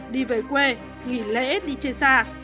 đi về quê nghỉ lễ đi chơi xa